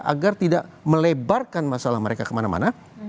agar tidak melebarkan masalah mereka kemana mana